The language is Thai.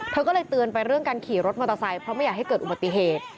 เธอก็เลยเตือนไปเรื่องการขี่รถมอเตอร์ไซค์เพราะไม่อยากให้เกิดอุบัติเหตุ